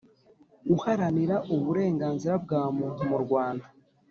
uharanira uburenganzira bwa muntu mu rwanda